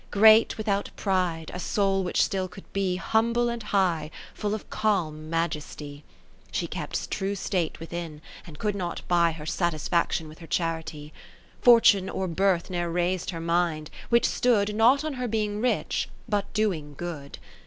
Great without pride, a soul which still could be Humble and high, full of calm majesty. She kept true state within, and could not buy Her satisfaction with her Charity. 40 Fortune or birth ne'er rais'd her mind, which stood. Not on her being rich, but doing good.